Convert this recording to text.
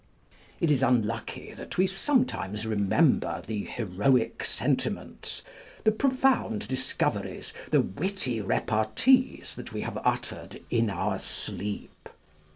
It is unlucky that we sometimes remember the heroic sentiments, the profound discoveries, the witty repartees we have uttered in our sleep.